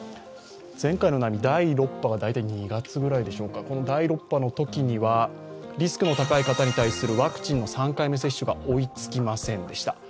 前回の波、第６波が２月ぐらいでしょうか、このときはリスクの高い方に対するワクチンの３回目接種が追いつきませんでした。